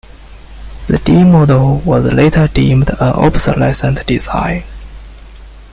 The "D" model was later deemed an obsolescent design.